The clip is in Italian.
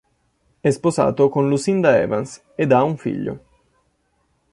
È sposato con Lucinda Evans ed ha un figlio.